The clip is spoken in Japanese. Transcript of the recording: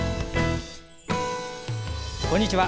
こんにちは。